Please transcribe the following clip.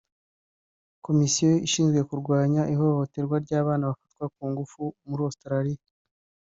Komisiyo ishinzwe kurwanya ihohoterwa ry’abana bafatwa ku ngufu muri Australia